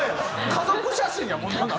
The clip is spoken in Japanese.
家族写真やもんなんか。